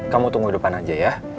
kamu tunggu depan aja ya